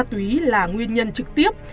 ma túy là nguyên nhân trực tiếp